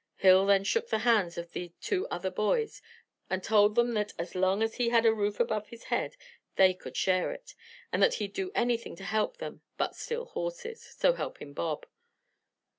Hill then shook the hands of the two other boys, and told them that as long as he had a roof above his head they could share it, and that he'd do anything to help them but steal horses, so help him Bob.